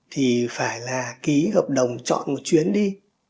thì phải là ký hợp đồng chọn một chuyến đi